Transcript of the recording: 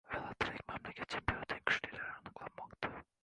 Velotrek: mamlakat chempionatining kuchlilari aniqlanmoqda